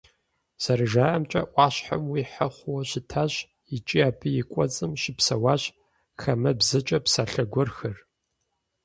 ЗэрыжаӀэмкӀэ, Ӏуащхьэм уихьэ хъууэ щытащ, икӀи абы и кӀуэцӀым щыпсэуащ «хамэбзэкӀэ псалъэ гуэрхэр».